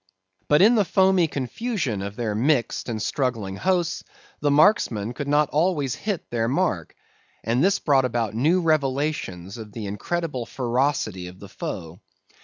But in the foamy confusion of their mixed and struggling hosts, the marksmen could not always hit their mark; and this brought about new revelations of the incredible ferocity of the foe.